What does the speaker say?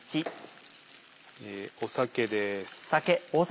酒です。